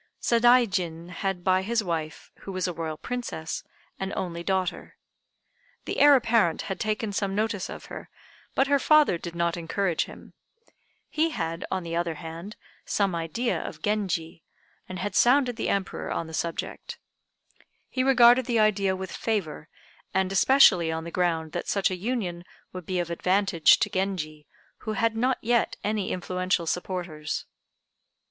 Sadaijin had by his wife, who was a Royal Princess, an only daughter. The Heir apparent had taken some notice of her, but her father did not encourage him. He had, on the other hand, some idea of Genji, and had sounded the Emperor on the subject. He regarded the idea with favor, and especially on the ground that such a union would be of advantage to Genji, who had not yet any influential supporters.